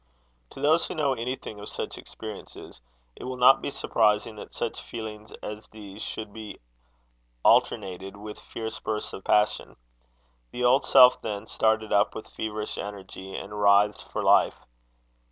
To those who know anything of such experiences, it will not be surprising that such feelings as these should be alternated with fierce bursts of passion. The old self then started up with feverish energy, and writhed for life.